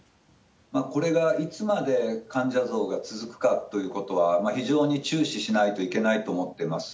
これがいつまで患者増が続くかということは、非常に注視しないといけないと思っています。